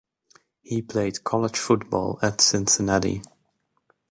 He played college football at Cincinnati.